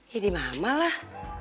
ya di mama lah